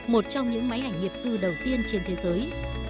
một trong những máy ảnh nghiệp dư đầu tiên trên thế giới